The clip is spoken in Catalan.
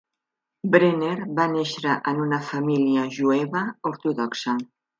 Brenner va néixer en una família jueva ortodoxa.